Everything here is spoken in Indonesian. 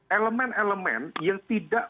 elemen elemen yang tidak